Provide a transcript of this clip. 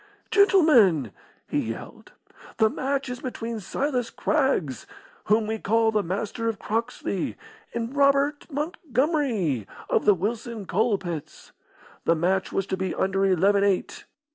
"Gentlemen," he yelled, "the match is between Silas Craggs, whom we call the Master of Croxley, and Robert Montgomery, of the Wilson Coal pits. The match was to be under eleven eight.